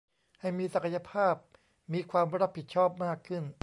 ให้มีศักยภาพมีความรับผิดชอบมากขึ้น